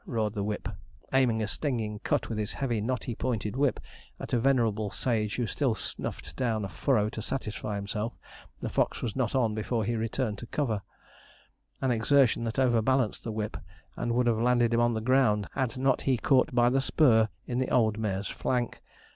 _' roared the whip, aiming a stinging cut with his heavy knotty pointed whip, at a venerable sage who still snuffed down a furrow to satisfy himself the fox was not on before he returned to cover an exertion that overbalanced the whip, and would have landed him on the ground, had not he caught by the spur in the old mare's flank.